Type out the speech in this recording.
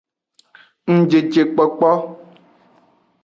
Ngjejekpokpo.